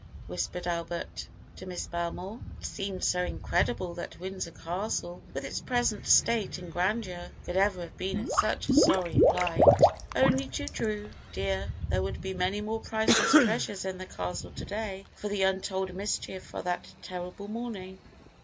whispered Albert to Miss Belmore. It seemed so incredible that Windsor Castle, with its present state and grandeur, could ever have been in such a sorry plight. "Only too true, dear. There would be many more priceless treasures in the castle to day but for the untold mischief of that terrible morning."